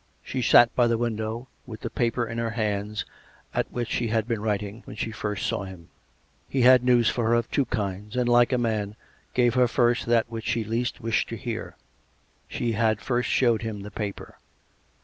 She sat by the window, with the paper in her hands at which she had been writing when she first saw him. He had news for her, of two kinds, and, like a man, gave her first that which she least wished to hear. (She had first showed him the paper.)